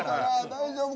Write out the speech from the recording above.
大丈夫？